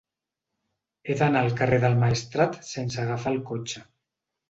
He d'anar al carrer del Maestrat sense agafar el cotxe.